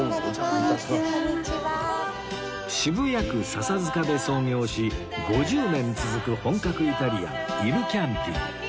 渋谷区笹塚で創業し５０年続く本格イタリアンイルキャンティ